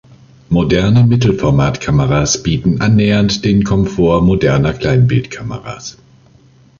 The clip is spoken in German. Moderne Mittelformatkameras bieten annähernd den Komfort moderner Kleinbildkameras.